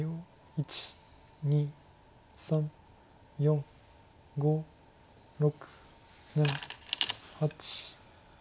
１２３４５６７８。